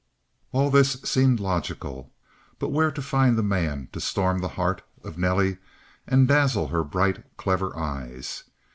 All this seemed logical, but where find the man to storm the heart of Nelly and dazzle her bright, clever eyes?